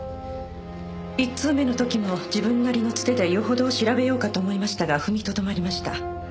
１通目の時も自分なりのつてでよほど調べようかと思いましたが踏みとどまりました。